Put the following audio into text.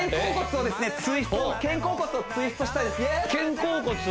肩甲骨をツイストしたいですイエス！